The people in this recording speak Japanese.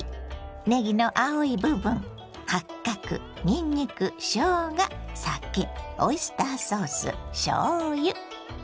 ねぎの青い部分八角にんにくしょうが酒オイスターソースしょうゆ。